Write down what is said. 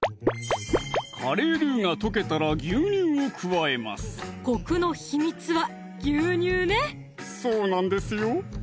カレールウが溶けたら牛乳を加えますコクの秘密は牛乳ねそうなんですよ